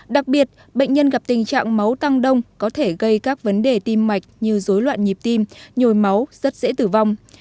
đặc biệt bệnh nhân gặp tình trạng máu tăng đông có thể gây các vấn đề tim mạch như dối loạn nhịp tim nhồi máu rất dễ tử vong